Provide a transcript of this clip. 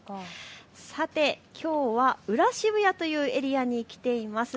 さてきょうは裏渋谷というエリアに来ています。